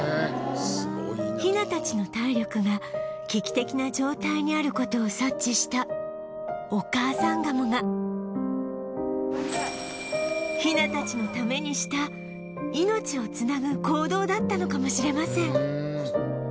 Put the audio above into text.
ヒナたちの体力が危機的な状態にある事を察知したお母さんガモがヒナたちのためにした命を繋ぐ行動だったのかもしれません